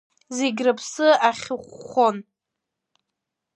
Зегь рыԥсы ахьыхәхәон.